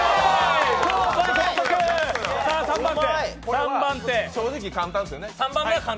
３番手。